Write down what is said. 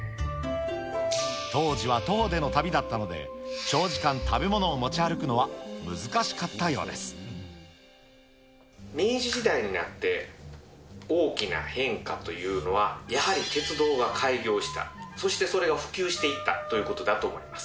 当時は徒歩での旅だったので、長時間食べ物を持ち歩くのは難し明治時代になって、大きな変化というのは、やはり鉄道が開業した、そして、それが普及していったということだと思います。